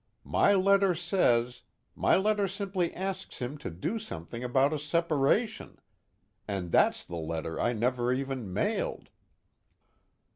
My letter says my letter simply asks him to do something about a separation. And that's the letter I never even mailed."